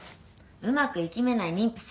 うまくいきめない妊婦さん